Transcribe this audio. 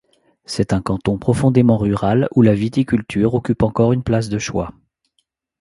C'est un canton profondément rural où la viticulture occupe encore une place de choix.